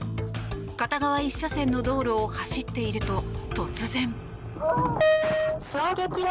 片側１車線の道路を走っていると突然。